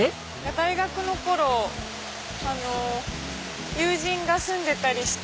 大学の頃友人が住んでたりして。